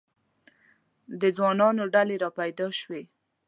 د ځوانانو ډلې را پیدا شوې.